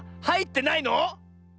はいってないの⁉